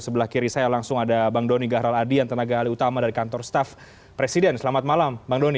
sebelah kiri saya langsung ada bang doni gahral adian tenaga ahli utama dari kantor staf presiden selamat malam bang doni